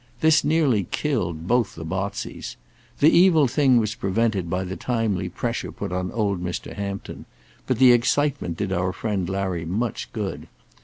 This nearly killed both the Botseys. The evil thing was prevented by the timely pressure put on old Mr. Hampton; but the excitement did our friend Larry much good.